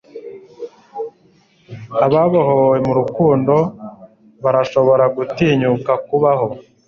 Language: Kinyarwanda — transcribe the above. ababohowe nurukundo barashobora gutinyuka kubaho